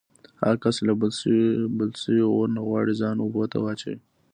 هغه کس چې له بل شوي اور نه غواړي ځان اوبو ته واچوي.